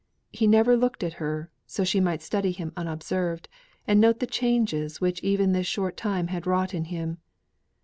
He never looked at her: so she might study him unobserved, and note the changes which even this short time had wrought in him.